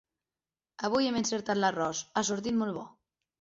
Avui hem encertat l'arròs: ha sortit molt bo!